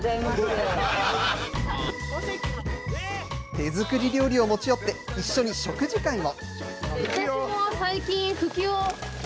手作り料理を持ち寄って、一緒に食事会も。